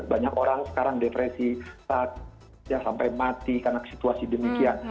banyak orang sekarang depresi sampai mati karena situasi demikian